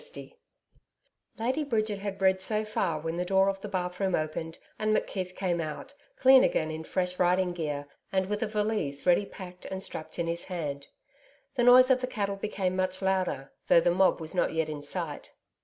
CHAPTER 10 Lady Bridget had read so far when the door of the bathroom opened and McKeith came out, clean again in fresh riding gear, and with a valise ready packed and strapped in his hand. The noise of the cattle became much louder, though the mob was not yet in sight.